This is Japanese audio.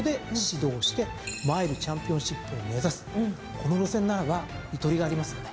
この路線ならばゆとりがありますよね。